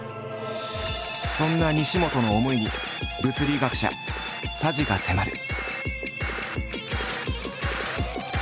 そんな西本の思いに物理学者佐治が迫る！